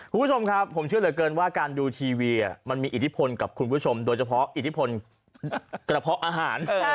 คุณผู้ชมครับผมเชื่อเหลือเกินว่าการดูทีวีมันมีอิทธิพลกับคุณผู้ชมโดยเฉพาะอิทธิพลกระเพาะอาหาร